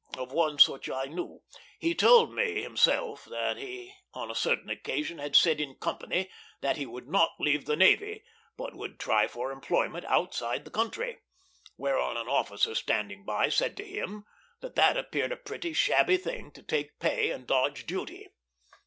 Of one such I knew. He told me himself that he on a certain occasion had said in company that he would not leave the navy, but would try for employment outside the country; whereon an officer standing by said to him that that appeared a pretty shabby thing, to take pay and dodge duty.